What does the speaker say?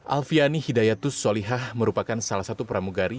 alfiani hidayatus solihah merupakan salah satu pramugari